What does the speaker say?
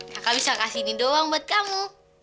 kakak bisa kasih ini doang buat kamu